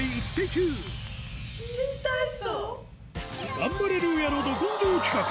ガンバレルーヤのど根性企画